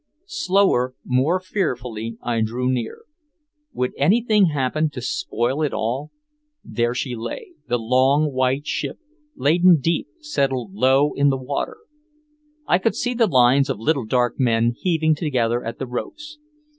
Slower, more fearfully, I drew near. Would anything happen to spoil it all? There she lay, the long white ship, laden deep, settled low in the water. I could see the lines of little dark men heaving together at the ropes.